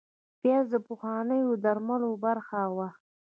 پیاز د پخوانیو درملو برخه وه